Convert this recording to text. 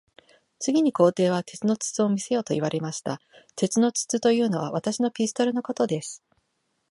次に皇帝は、鉄の筒を見せよと言われました。鉄の筒というのは、私のピストルのことです。